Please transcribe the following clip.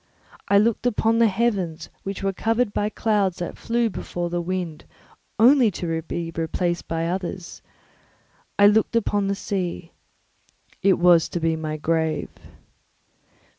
I looked on the heavens, which were covered by clouds that flew before the wind, only to be replaced by others; I looked upon the sea; it was to be my grave.